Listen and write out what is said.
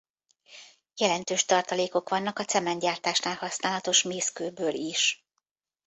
Jelentős tartalékok vannak a cementgyártásnál használatos mészkőből is.